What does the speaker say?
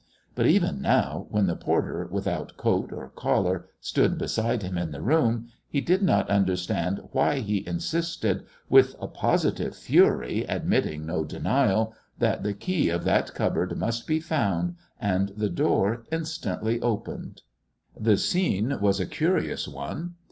But even now, when the porter, without coat or collar, stood beside him in the room, he did not understand why he insisted, with a positive fury admitting no denial, that the key of that cupboard must be found and the door instantly opened. The scene was a curious one.